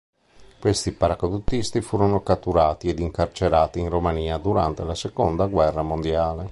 Questi paracadutisti furono catturati ed incarcerati in Romania durante la seconda guerra mondiale.